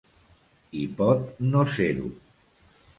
I pot no ser-ho.